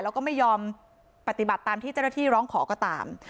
แล้วก็ไม่ยอมปฏิบัติตามที่เจ้าหน้าที่ร้องขอก็ตาม